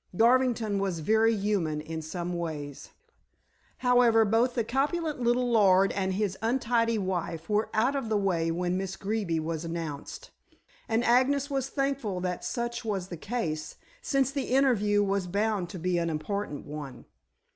Garvington was very human in some ways. However, both the corpulent little lord and his untidy wife were out of the way when Miss Greeby was announced, and Agnes was thankful that such was the case, since the interview was bound to be an important one.